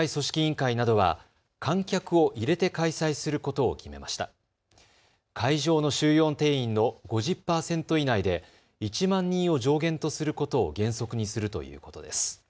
会場の収容定員の５０％以内で１万人を上限とすることを原則にするということです。